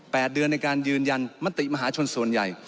เดือนในการยืนยันมติมหาชนส่วนใหญ่